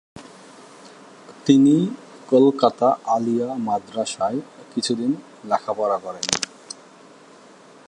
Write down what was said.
তিনি কলকাতা আলিয়া মাদ্রাসায় কিছুদিন লেখাপড়া করেন।